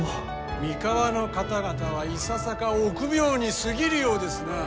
三河の方々はいささか臆病に過ぎるようですなあ。